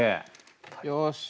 よし！